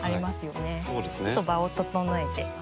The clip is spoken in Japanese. ちょっと場を整えてます。